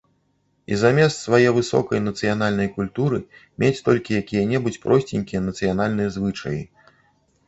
І замест свае высокай нацыянальнай культуры мець толькі якія-небудзь просценькія нацыянальныя звычаі.